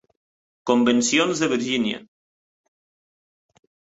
Convencions de Virgínia